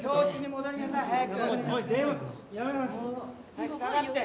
早く下がって。